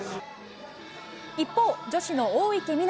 一方、女子の大池水杜。